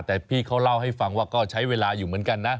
แต่พี่เขาเล่าให้ฟังว่าก็ใช้เวลาอยู่เหมือนกันนะ